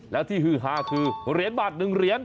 แล้วที่ฮือฮาคือเหรียญบาท๑เหรียญ